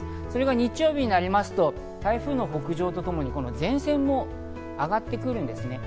日曜日になりますと台風の北上とともに前線も上がってくるんですね。